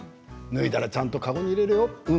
ぬいだらちゃんとかごにいれろよ。